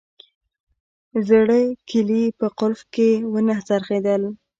زړه کیلي په قلف کې ونه څرخیدل